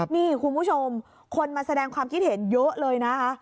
นี่คุณผู้ชมคนมาแสดงความคิดเห็นเยอะเลยนะคะ